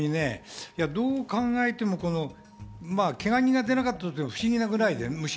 どう考えても、けが人が出なかったことが不思議なくらい。